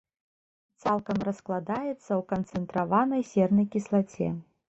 Цалкам раскладаецца ў канцэнтраванай сернай кіслаце.